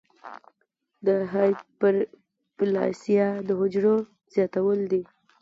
د هایپرپلاسیا د حجرو زیاتېدل دي.